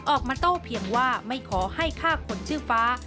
โต้เพียงว่าไม่ขอให้ฆ่าคนชื่อฟ้า